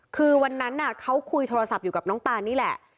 คือวันนั้นเขาคุยโทรศัพท์อยู่กับน้องตานนี่แหละ